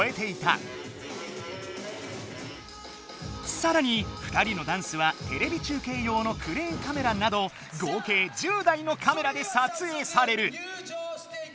さらに２人のダンスはテレビ中けい用のクレーンカメラなど合計１０台のカメラでさつえいされる。